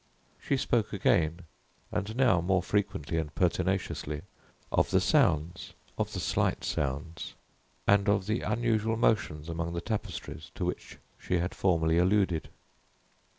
She spoke again, and now more frequently and pertinaciously, of the sounds of the slight sounds and of the unusual motions among the tapestries, to which she had formerly alluded.